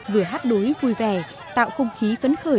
vừa hát đối vui vẻ tạo không khí phấn khởi